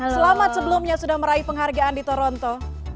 selamat sebelumnya sudah meraih penghargaan di toronto